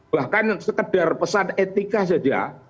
bahkan sekedar pesan etika saja